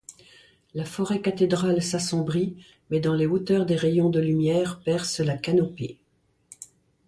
La forêt-cathédrale s'assombrit mais dans les hauteurs des rayons de lumière percent la canopée.